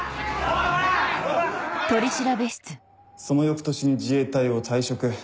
その翌年に自衛隊を退職。